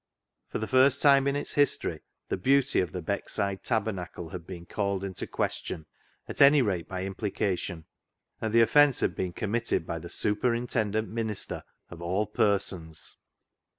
For the first time in its history the beauty of the Beckside tabernacle had been called into question, at anyrate by implication. And the offence had been committed by the superintendent minister, of all persons